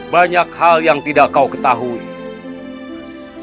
banyak hal yang tidak kau ketahui